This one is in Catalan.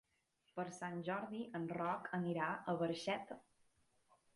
Per Sant Jordi en Roc anirà a Barxeta.